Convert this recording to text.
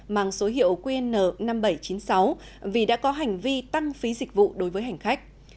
mang số hiệu qn năm nghìn bảy trăm chín mươi sáu vì đã có hành vi tăng phí dịch vụ đối với hành khách